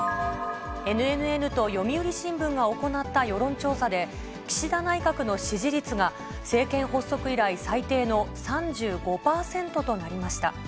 ＮＮＮと読売新聞が行った世論調査で、岸田内閣の支持率が、政権発足以来最低の３５％となりました。